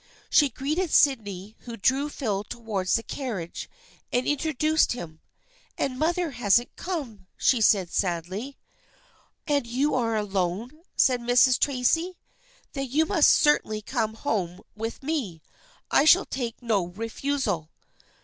She greeted Sydney, who drew Phil towards the carriage and introduced him. " And mother hasn't come !" she said sadly. " And you are alone ?" said Mrs. Tracy. " Then you must certainly come home with me. I shall take no refusal.'